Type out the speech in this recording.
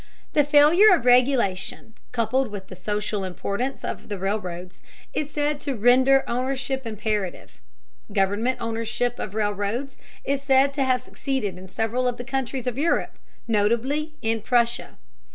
The failure of regulation, coupled with the social importance of the railroads, is said to render ownership imperative. Government ownership of railroads is said to have succeeded in several of the countries of Europe, notably in Prussia.